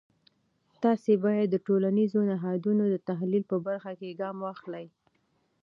تاسې باید د ټولنیزو نهادونو د تحلیل په برخه کې ګام واخلی.